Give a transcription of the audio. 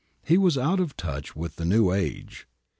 He was out of touch with the new age.